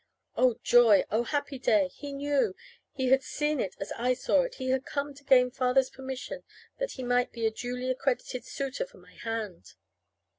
Oh, joy! Oh, happy day! He knew. He had seen it as I saw it. He had come to gain Father's permission, that he might be a duly accredited suitor for my hand!